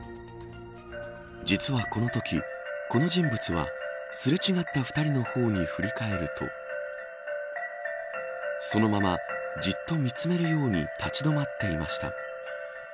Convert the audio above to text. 実はこのときこの人物はすれ違った２人の方に振り返るとそのまま、じっと見つめるように立ちどまっていました。